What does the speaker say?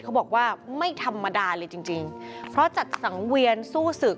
เขาบอกว่าไม่ธรรมดาเลยจริงจริงเพราะจัดสังเวียนสู้ศึก